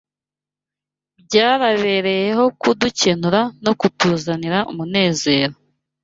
byarabereyeho kudukenura no kutuzanira umunezero